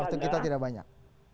waktu kita tidak banyak